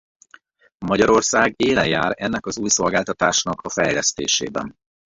Magyarország élen jár ennek az új szolgáltatásnak a fejlesztésében.